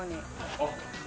あっ！